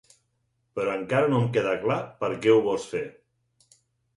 Però encara no em queda clar per què ho vols fer.